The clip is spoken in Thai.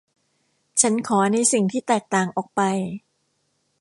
ฉันขอในสิ่งที่แตกต่างออกไป